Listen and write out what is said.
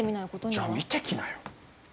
じゃあ見てきなよ。